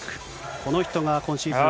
この人が今シーズン